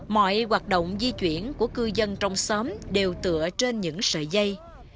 mọi hoạt động di chuyển của cư dân trong xóm đều tựa trên những sợi dây